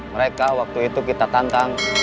mereka waktu itu kita tantang